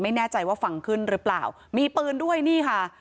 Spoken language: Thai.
ไม่แน่ใจว่าฟังขึ้นหรือเปล่ามีปืนด้วยนี่ค่ะ